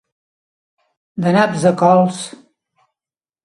De naps a cols.